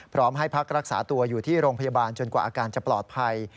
พร้อมให้พักรักษาตัวอยู่ที่โรงพยาบาลจนกว่าอาการจะปลอดภัย